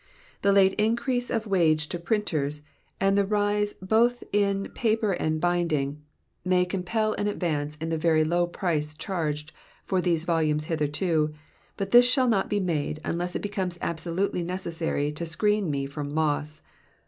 The late increase of wages to printers, and the rise both in paper and binding, may compel an advance in the very low price charged for these volumes hitherto, but this shall not be made unless it becomes absolutely necessary to screen me from loss.